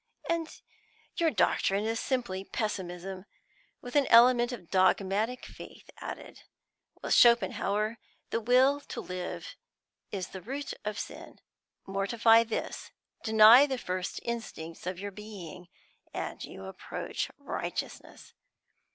Your doctrine is simply Pessimism, with an element of dogmatic faith added. With Schopenhauer, the will to live is the root of sin; mortify this, deny the first instincts of your being, and you approach righteousness.